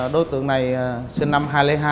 đối tượng này sinh năm hai nghìn hai